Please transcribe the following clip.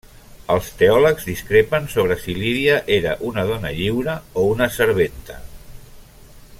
Els teòlegs discrepen sobre si Lídia era una dona lliure o una serventa.